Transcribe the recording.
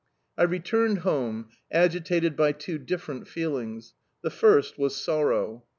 I returned home, agitated by two different feelings. The first was sorrow.